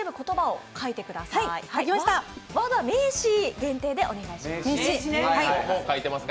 ワードは名詞限定でお願いします。